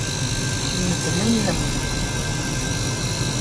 Mdel-nnem!